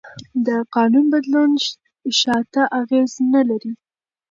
د قانون بدلون شاته اغېز نه لري.